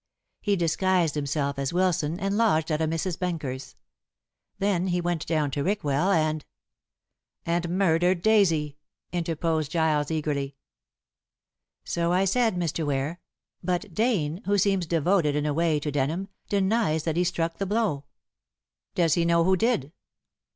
He disguised himself as Wilson and lodged at a Mrs. Benker's. Then he went down to Rickwell, and " "And murdered Daisy," interposed Giles eagerly. "So I said, Mr. Ware; but Dane, who seems devoted in a way to Denham, denies that he struck the blow." "Does he know who did?"